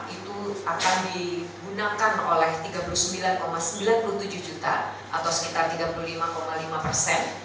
itu akan digunakan oleh tiga puluh sembilan sembilan puluh tujuh juta atau sekitar tiga puluh lima lima persen